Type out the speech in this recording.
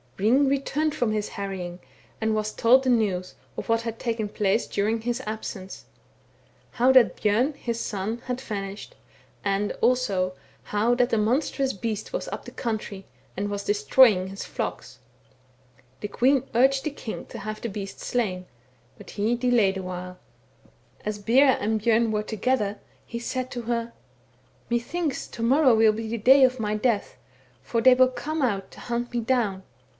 Hring returned from his harrying, and he was told the news, of what had taken place during his absence ; how that Bjom, his son, had vanished, and also, how that a monstrous beast was up the country, and was destroying his flocks. The queen urged the king to have the beast slain, but he delayed awhile. " One night, as Bera and Bjom were together, he said to her :—* Methinks to morrow will be the day of my death, for they will come out to hunt me down.